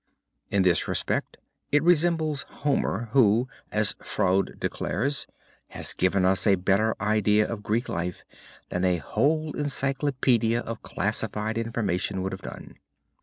In this respect it resembles Homer who, as Froude declares, has given us a better idea of Greek life than a whole encyclopedia of classified information would have done.